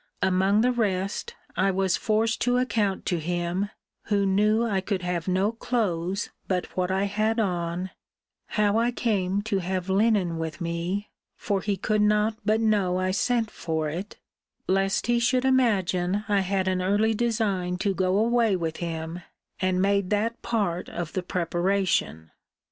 Among the rest, I was forced to account to him, who knew I could have no clothes but what I had on, how I came to have linen with me (for he could not but know I sent for it); lest he should imagine I had an early design to go away with him, and made that part of the preparation.